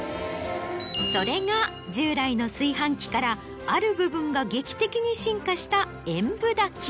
それが従来の炊飯器からある部分が劇的に進化した。